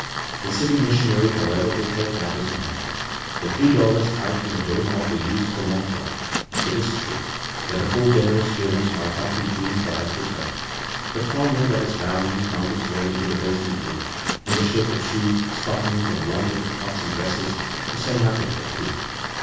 The city missionary, however, did take matters in hand. The three dollars tied to her door knob were used for Mont Lawn, it is true, that the four generous givers might not be grieved by its return ; but far more than its value found its way into the base ment room in the shape of shoes, stockings, and warm little coats and dresses, to say nothing of food.